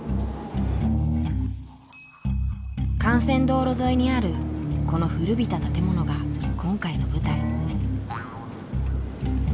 幹線道路沿いにあるこの古びた建物が今回の舞台。